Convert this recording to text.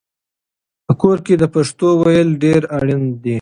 په کور کې د پښتو ویل ډېر اړین دي.